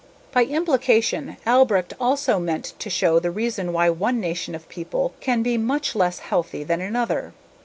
By implication, Albrecht also meant to show the reason why one nation of people can be much less healthy than another.